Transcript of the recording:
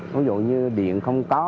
nó giống như điện không có